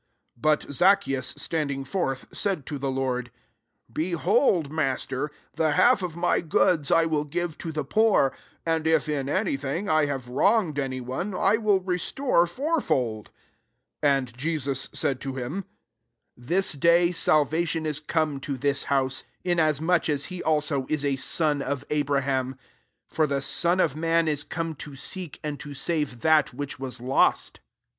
"* 8 But Zaccheus standing forth, said to the Lord, '* Be hold, Master, the half of my goods I will give to the poor ; and if in any thing I have wrong ed any one, 1 will restore four fold.'* 9 And Jesus said to him, This day salvation is come to this house ; inasmuch as he also is a son of Abraham* 10 For the Son of man is come to seek and to save that wMck was lost."